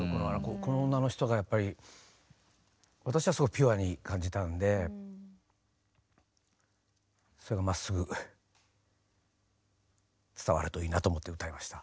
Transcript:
この女の人がやっぱり私はすごくピュアに感じたんでそれがまっすぐ伝わるといいなと思って歌いました。